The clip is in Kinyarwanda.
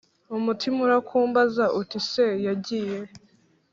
umutima urakumbaza uti ese yagiyehe